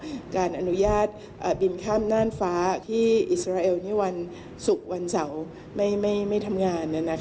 การอนุญาตบินข้ามน่านฟ้าที่อิสราเอลวันศุกร์วันเสาร์ไม่ทำงาน